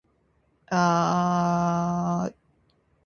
意思が強く、飾り気がなく無口なこと。また、そのさま。